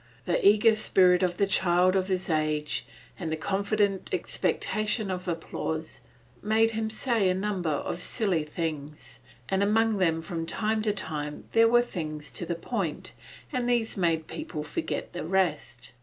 The eager spirit of a child of his age, and the confident expectation of applause, made him say a number of silly things, and among them from time to time there were things to the point, and these made people forget the rest.